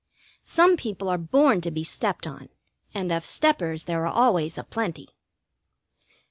Some people are born to be stepped on, and of steppers there are always a plenty.